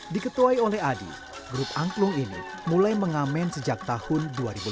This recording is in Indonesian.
diketuai oleh adi grup angklung ini mulai mengamen sejak tahun dua ribu lima belas